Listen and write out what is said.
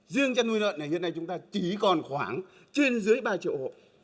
riêng chăn nuôi lợn hiện nay chúng ta chỉ còn khoảng trên dưới ba triệu hộ